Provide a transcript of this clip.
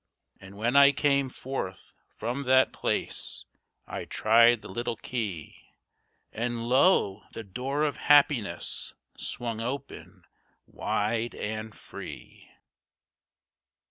And when I came forth from that place, I tried the little key— And lo! the door of Happiness swung open, wide and free.